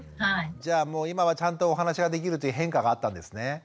じゃあもう今はちゃんとお話ができるという変化があったんですね。